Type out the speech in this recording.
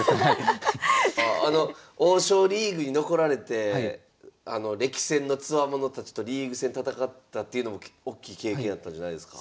あの王将リーグに残られて力戦のつわものたちとリーグ戦戦ったっていうのもおっきい経験やったんじゃないですか？